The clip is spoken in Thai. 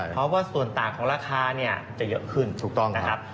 เพราะว่าส่วนต่างของราคาเนี่ยจะเยอะขึ้นถูกต้องนะครับ